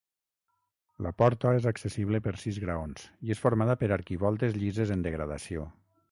La porta és accessible per sis graons, i és formada per arquivoltes llises en degradació.